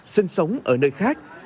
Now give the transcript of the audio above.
sinh sống ở nơi khác